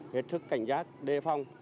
hết thức cảnh giác đề phòng